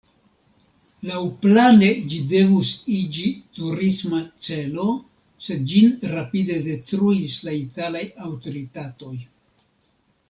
Laŭplane ĝi devus iĝi turisma celo, sed ĝin rapide detruis la italaj aŭtoritatoj.